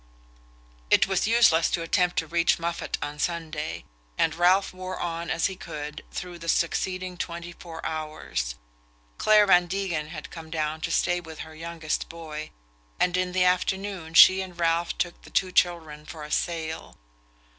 It was useless to attempt to reach Moffatt on Sunday, and Ralph wore on as he could through the succeeding twenty four hours. Clare Van Degen had come down to stay with her youngest boy, and in the afternoon she and Ralph took the two children for a sail.